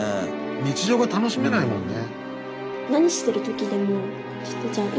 日常が楽しめないもんね。